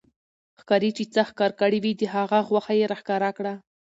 ښکارې چې څه ښکار کړي وو، د هغه غوښه يې را ښکاره کړه